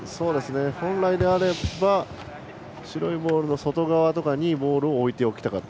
本来なら白いボールの外側とかにボールを置いておきたかった。